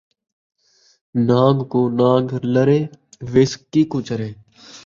نان٘گ کوں نان٘گ لڑے ، وِس کیکوں چڑھے